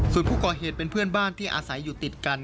ส่วนผู้ก่อเหตุเป็นเพื่อนบ้านที่อาศัยอยู่ติดกัน